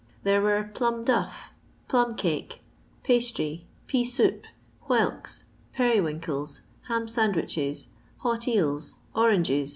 There were plum dough, plum cake, pastry, pea soup, whelks, periwinkles, ham sandwiches, hot eels, oranges, &c.